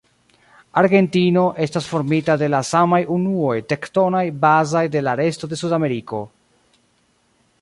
Argentino estas formita de la samaj unuoj tektonaj bazaj de la resto de Sudameriko.